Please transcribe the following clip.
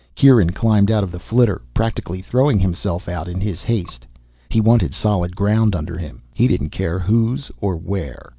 Kieran climbed out of the flitter, practically throwing himself out in his haste. He wanted solid ground under him, he didn't care whose or where.